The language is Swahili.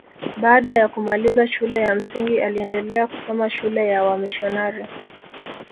Baada ya kumaliza shule ya msingi aliendelea kusoma shule ya wamisionari